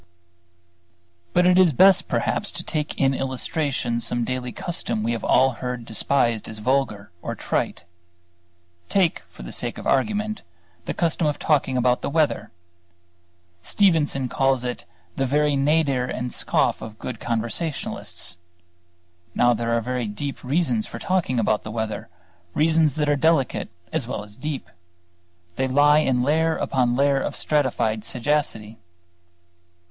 But it is best perhaps to take in illustration some daily custom we have all heard despised as vulgar or trite. Take, for the sake of argument, the custom of talking about the weather. Stevenson calls it "the very nadir and scoff of good conversationalists." Now there are very deep reasons for talking about the weather, reasons that are delicate as well as deep; they lie in layer upon layer of stratified sagacity.